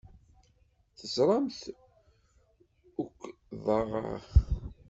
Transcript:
Teẓramt ukḍeɣ aya.